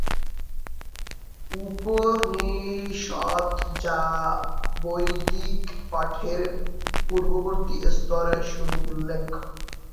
উপনিষদ, যা বৈদিক পাঠের পরবর্তী স্তর, গুরু উল্লেখ।